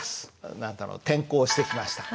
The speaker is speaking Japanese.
何だろう転校してきました。